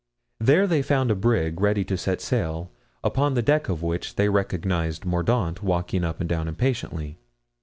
There they found a brig ready to set sail, upon the deck of which they recognized Mordaunt walking up and down impatiently.